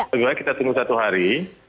bagaimana kita tunggu satu hari